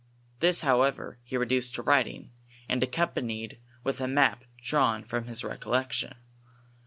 This, however, he reduced to writing, and accompnnied with a map drawn from rt'C(»llection.